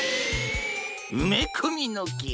うめこみのけい！